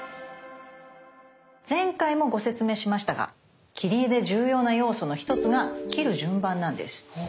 前回もご説明しましたが切り絵で重要な要素の一つが切る順番なんです。